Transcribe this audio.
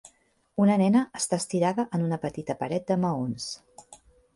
Una nena està estirada en una petita paret de maons